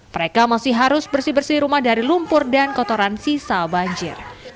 mereka masih harus bersih bersih rumah dari lumpur dan kotoran sisa banjir